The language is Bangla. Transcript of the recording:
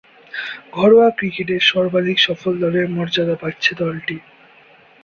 ঘরোয়া ক্রিকেটে সর্বাধিক সফল দলের মর্যাদা পাচ্ছে দলটি।